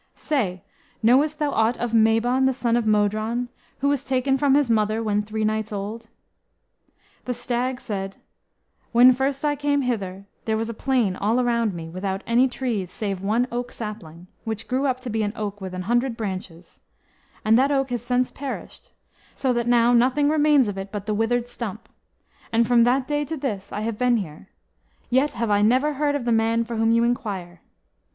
Say, knowest thou aught of Mabon, the son of Modron, who was taken from his mother when three nights old?" The Stag said, "When first I came hither there was a plain all around me, without any trees save one oak sapling, which grew up to be an oak with an hundred branches; and that oak has since perished, so that now nothing remains of it but the withered stump; and from that day to this I have been here, yet have I never heard of the man for whom you inquire.